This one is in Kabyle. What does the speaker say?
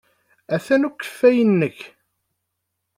Atan ukeffay-nnek.